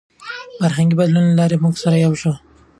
د فرهنګي بدلون له لارې موږ سره یو شو.